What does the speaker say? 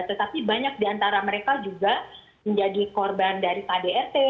tetapi banyak diantara mereka juga menjadi korban dari padrt